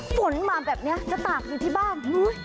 ผลมาแบบนี้จะตากในที่บ้าน